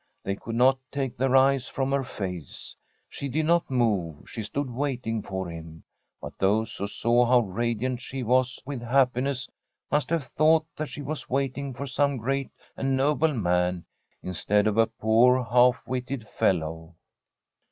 They could not take their eyes from her face. She did not move; she stood waiting for him. But those who saw how radiant she was with happiness must have thought that she was waiting for some j^eat and noble man, instead of a poor, half witted fellow.